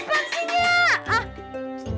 lo bangun dulu bangun